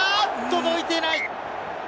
届いていない！